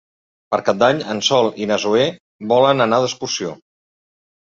Per Cap d'Any en Sol i na Zoè volen anar d'excursió.